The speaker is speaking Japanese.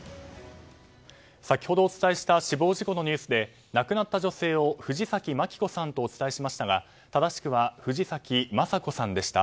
先ほどお伝えした死亡事故のニュースで亡くなった女性を藤崎まき子さんとお伝えしましたが正しくは藤崎まさ子さんでした。